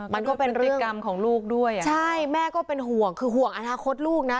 มันก็เป็นเรื่องใช่แม่ก็เป็นห่วงคือห่วงอนาคตลูกนะ